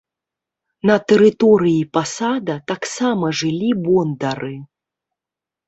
На тэрыторыі пасада таксама жылі бондары.